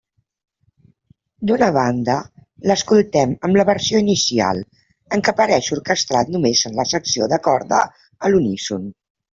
D'una banda, l'escoltem en la versió inicial, en què apareix orquestrat només en la secció de corda a l'uníson.